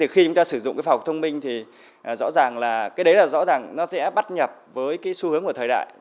khi chúng ta sử dụng phòng học thông minh thì rõ ràng là nó sẽ bắt nhập với xu hướng của thời đại